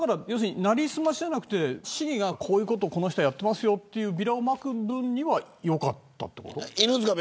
成り済ましじゃなくて市議がこういうことをこの人はやっていますというビラをまく分にはよかったってこと。